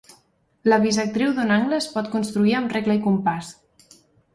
La bisectriu d'un angle es pot construir amb regle i compàs.